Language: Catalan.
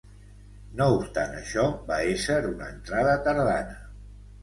No obstant això, va ésser una entrada tardana.